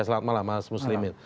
selamat malam mas muslimin